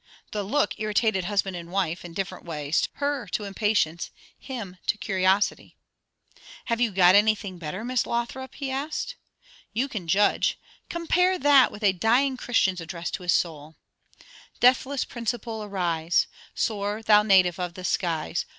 The look irritated husband and wife, in different ways; her to impatience, him to curiosity. "Have you got anything better, Miss Lothrop?" he asked. "You can judge. Compare that with a dying Christian's address to his soul 'Deathless principle, arise; Soar, thou native of the skies.